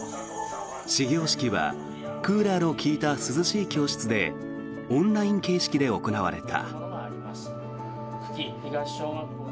始業式はクーラーの利いた涼しい教室でオンライン形式で行われた。